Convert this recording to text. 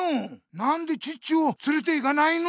なんでチッチをつれていかないの！